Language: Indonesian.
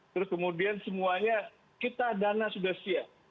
terus kemudian semuanya kita dana sudah siap